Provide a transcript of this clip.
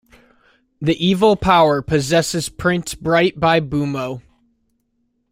The evil power possesses Prince Bright by Boomo.